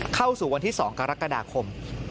เข้าสู่วันที่๒กรกฎาคม